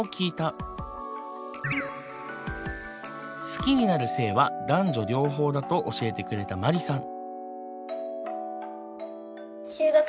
好きになる性は男女両方だと教えてくれたマリさん。